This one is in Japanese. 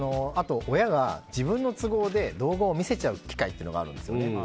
親が自分の都合で動画を見せちゃう機会っていうのがあるんですよね。